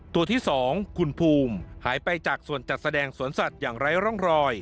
ตัวที่๒คุณภูมิหายไปจากส่วนจัดแสดงสวนสัตว์อย่างไร้ร่องรอย